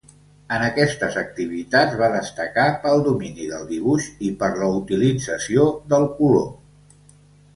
En aquestes activitats va destacar pel domini del dibuix i per la utilització del color.